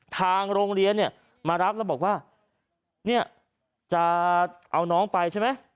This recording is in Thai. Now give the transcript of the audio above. ทางโรงเรียนเนี่ยมารับแล้วบอกว่าเนี่ยจะเอาน้องไปใช่ไหม